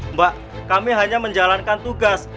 mbak kami hanya menjalankan tugas